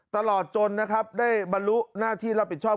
ตลอดจนนะครับได้บรรลุหน้าที่รับผิดชอบ